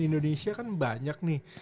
indonesia kan banyak nih